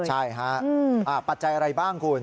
ใช่ฮะปัจจัยอะไรบ้างคุณ